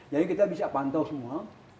jadi kita bisa pantau semua